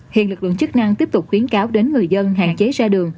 hiện lực lượng chức năng tiếp tục khuyến cáo đến người dân hạn chế ra đường